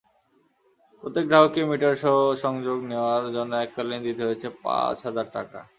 প্রত্যেক গ্রাহককে মিটারসহ সংযোগ নেওয়ার জন্য এককালীন দিতে হয়েছে পাঁচ হাজার টাকা।